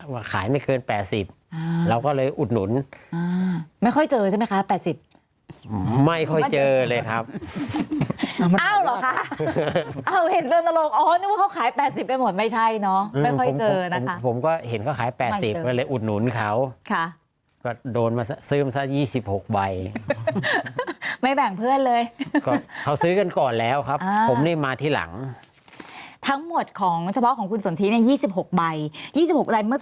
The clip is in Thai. มันไม่เคย๘๐เราก็เลยอุดหนุนไม่ค่อยเจอใช่ไหมคะ๘๐ไม่ค่อยเจอเลยครับเอ้าเห็นโดนตลกอ๋อนึกว่าเขาขาย๘๐ไปหมดไม่ใช่เนาะไม่ค่อยเจอนะคะผมก็เห็นเขาขาย๘๐เลยอุดหนุนเขาค่ะก็โดนซื้มซะ๒๖ใบไม่แบ่งเพื่อนเลยเขาซื้อกันก่อนแล้วครับผมได้มาที่หลังทั้งหมดของเฉพาะของคุณสนทรีย์เนี่ย๒๖ใบ